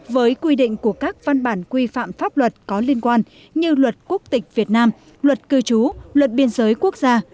với quy định của các văn bản quy phạm pháp luật có liên quan như luật quốc tịch việt nam luật cư trú luật biên giới quốc gia